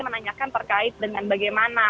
menanyakan terkait dengan bagaimana